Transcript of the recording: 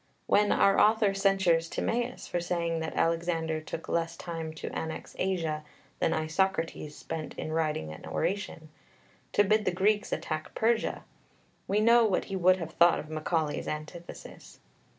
When our author censures Timaeus for saying that Alexander took less time to annex Asia than Isocrates spent in writing an oration, to bid the Greeks attack Persia, we know what he would have thought of Macaulay's antithesis.